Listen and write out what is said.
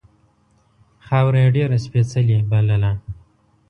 خاوره یې ډېره سپېڅلې بلله.